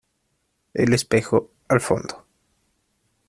el espejo, al fondo.